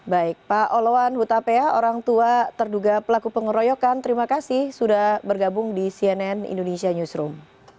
baik pak olawan hutapea orang tua terduga pelaku pengeroyokan terima kasih sudah bergabung di cnn indonesia newsroom